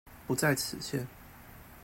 不在此限